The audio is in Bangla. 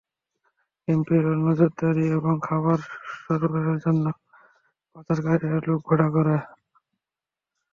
ক্যাম্পের ওপর নজরদারি এবং খাবার সরবরাহের জন্য পাচারকারীরা লোক ভাড়া করে।